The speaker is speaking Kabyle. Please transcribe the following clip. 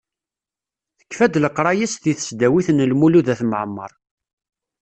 Tekfa-d leqraya-s di tesdawit n Lmulud At Mɛemmer.